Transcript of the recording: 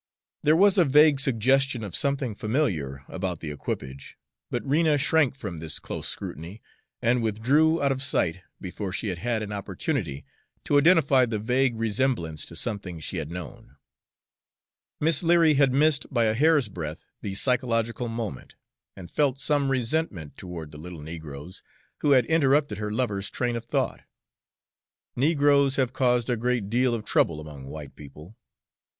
There was a vague suggestion of something familiar about the equipage, but Rena shrank from this close scrutiny and withdrew out of sight before she had had an opportunity to identify the vague resemblance to something she had known. Miss Leary had missed by a hair's breadth the psychological moment, and felt some resentment toward the little negroes who had interrupted her lover's train of thought. Negroes have caused a great deal of trouble among white people.